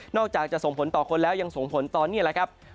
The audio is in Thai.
อกจากจะส่งผลต่อคนแล้วยังส่งผลตอนนี้แหละครับ